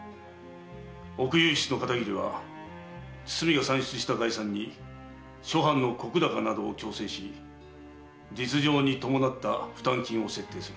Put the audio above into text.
奥右筆の片桐は堤が算出した概算に諸藩の石高などを調整し実情に伴った負担金を設定する。